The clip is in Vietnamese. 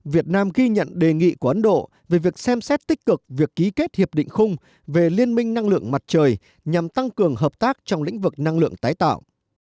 việt nam ghi nhận đề nghị của ấn độ về việc xem xét tích cực việc ký kết hiệp định khung về liên minh năng lượng mặt trời nhằm tăng cường hợp tác trong lĩnh vực năng lượng tái tạo